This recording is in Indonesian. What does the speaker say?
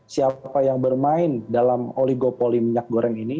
siapa yang bermain dalam oligopoli minyak goreng ini